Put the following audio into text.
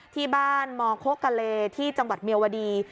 ที่บ้านมโคกะเลที่จังหวัดเมียวดี